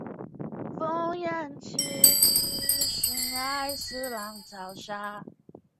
殿试登进士第三甲第八十三名。